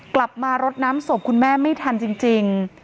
รดน้ำศพคุณแม่ไม่ทันจริง